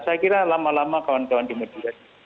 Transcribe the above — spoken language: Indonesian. saya kira lama lama kawan kawan timur juga